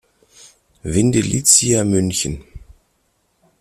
Vindelicia München".